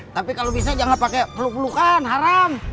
tapi kalau bisa jangan pake pelukan haram